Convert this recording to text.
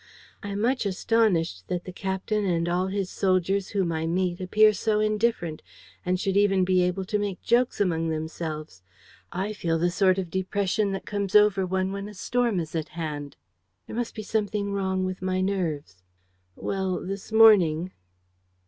I am much astonished that the captain and all his soldiers whom I meet appear so indifferent and should even be able to make jokes among themselves. I feel the sort of depression that comes over one when a storm is at hand. There must be something wrong with my nerves. "Well, this morning.